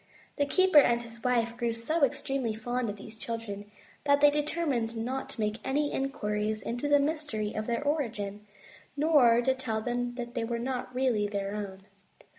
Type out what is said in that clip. The keeper and his wife grew so extremely fond of these children, that they determined not to make any inquiries into the mystery of their origin, nor to tell them that they were not really their own.